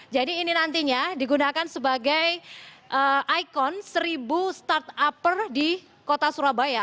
jadi ini nantinya digunakan sebagai ikon seribu start upper di kota surabaya